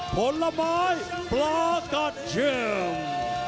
ผลไม้ปลากัดจิม